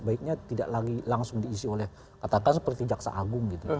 baiknya tidak lagi langsung diisi oleh katakan seperti jaksa agung gitu